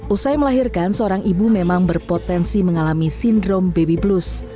usai melahirkan seorang ibu memang berpotensi mengalami sindrom baby blues